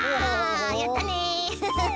やったね！